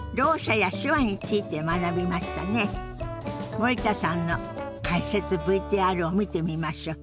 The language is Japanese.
森田さんの解説ＶＴＲを見てみましょう。